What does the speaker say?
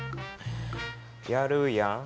やるやん。